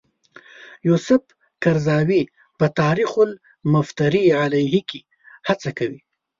یوسف قرضاوي په تاریخنا المفتری علیه کې هڅه کوي.